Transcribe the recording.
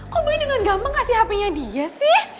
kok boy dengan gampang kasih hapenya dia sih